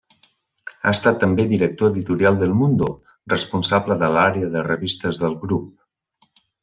Ha estat també director editorial d'El Mundo, responsable de l'àrea de revistes del grup.